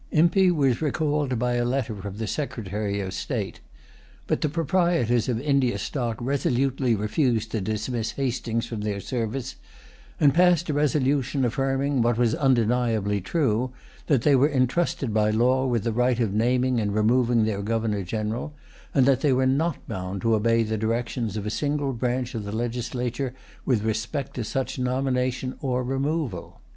Impey was recalled by a letter from the Secretary of State. But the proprietors of India Stock resolutely refused to dismiss Hastings from their service, and passed a resolution affirming, what was undeniably true, that they were entrusted by law with the right of naming and removing their Governor General, and that they were not bound to obey the directions of a single branch of the legislature with respect to such nomination or removal.